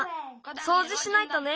そうじしないとね。